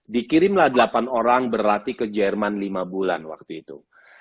dikirimlah delapan orang berlatih ke jerman lima bulan waktu itu